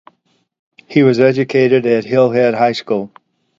He was educated at Hillhead High School.